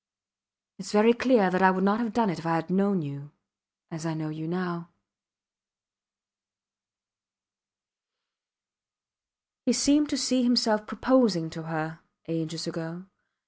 Its very clear I would not have done it if I had known you as I know you now. He seemed to see himself proposing to her ages ago.